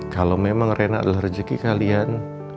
kalau memang rena adalah rezeki kalian